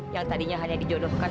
yang tadinya hanya dijodohkan